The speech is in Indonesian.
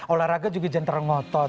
olahraga juga jangan terlengotot